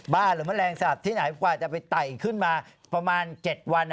หรือแมลงสาบที่ไหนกว่าจะไปไต่ขึ้นมาประมาณ๗วัน